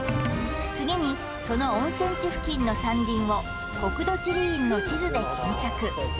次にその温泉地付近の山林を国土地理院の地図で検索